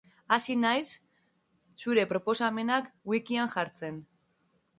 Hasi naiz zure proposamenak wikian jartzen.